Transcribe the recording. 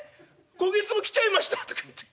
今月も来ちゃいましたとか言って。